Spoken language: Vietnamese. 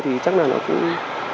thì chắc là nó cũng